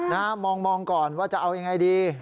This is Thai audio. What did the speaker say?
นะฮะมองก่อนว่าจะเอาอย่างไรดี